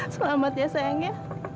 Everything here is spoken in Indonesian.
selamat ya sayangnya